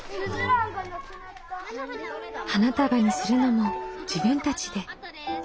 花束にするのも自分たちで。